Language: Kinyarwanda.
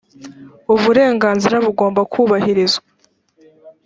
uburenganzira bugomba kubahirizwa.